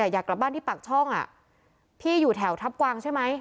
อยากกลับบ้านที่ปากช่องพี่อยู่แถวทัพกวางใช่ไหม